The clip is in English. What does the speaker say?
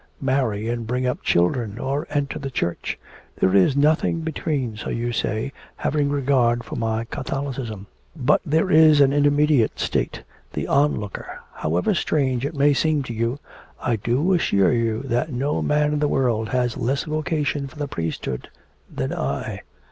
Marry and bring up children, or enter the Church! There is nothing between, so you say, having regard for my Catholicism. But there is an intermediate state, the onlooker. However strange it may seem to you, I do assure you that no man in the world has less vocation for the priesthood than I.